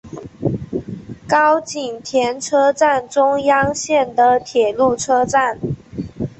高井田车站中央线的铁路车站。